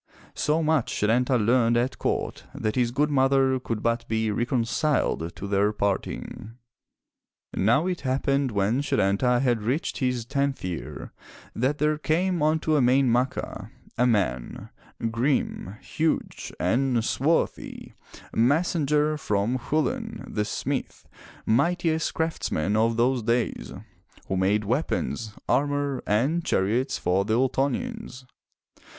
So much Setanta learned at court that his good mother could but be reconciled to their parting. Now it happened when Setanta had reached his tenth year that there came unto Emain Macha a man, grim, huge, and swarthy, messenger from Chulain, the smith, mightiest craftsman of those days, who made weapons, armor and chariots for the Ultonians.